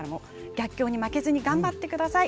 逆境に負けずに頑張ってください。